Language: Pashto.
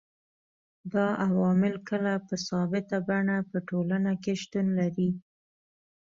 دا عوامل کله په ثابته بڼه په ټولنه کي شتون لري